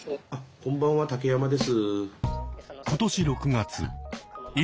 こんばんは竹山です。